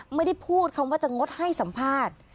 ไม่ได้พูดคำว่าจะงดให้สัมภาษณ์